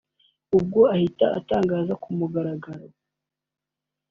ubwo ahita atangaza ku mugaragaro